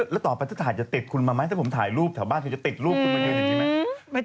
แล้วต่อไปถ้าถ่ายจะติดคุณมาไหมถ้าผมถ่ายรูปแถวบ้านคุณจะติดรูปคุณมายืนอย่างนี้ไหม